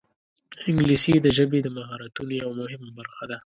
انګلیسي د ژبې د مهارتونو یوه مهمه برخه ده